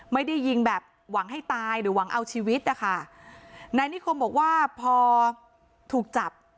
ไม่ได้ยิงแบบหวังให้ตายหรือหวังเอาชีวิตนะคะนายนิคมบอกว่าพอถูกจับ